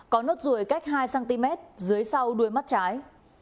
có nốt ruồi cách hai cm dưới sau đuôi mắt trái